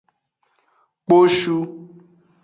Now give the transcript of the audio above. Kposhu.